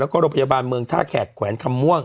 แล้วก็โรงพยาบาลเมืองท่าแขกแขวนคำม่วง